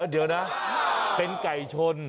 เดี๋ยวนะเป็นไก่ชน